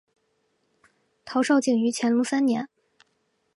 陶绍景于乾隆三年。